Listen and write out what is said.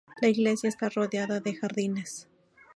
La iglesia está rodeada de jardines.